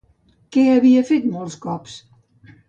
Què havia fet molts cops?